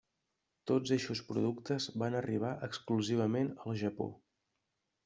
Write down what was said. Tots eixos productes van arribar exclusivament al Japó.